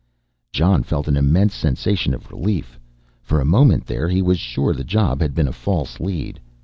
_ Jon felt an immense sensation of relief. For a moment there, he was sure the job had been a false lead.